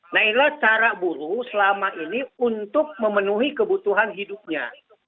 nah inilah cara buruh selama ini untuk memenuhi kebutuhan hidupnya